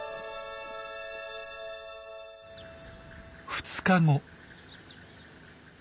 ２日後。